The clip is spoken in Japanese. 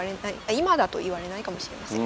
今だと言われないかもしれません。